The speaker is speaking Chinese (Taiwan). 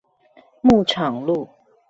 牧場路